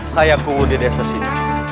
saya kuhu di desa sini